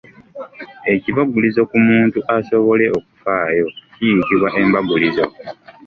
Ekibaguliza ku muntu asobole okufaayo kiyitibwa embagulizo.